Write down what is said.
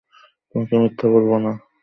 তোমাকে মিথ্যা বলবো না।